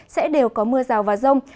sẽ đều có mưa rào và rông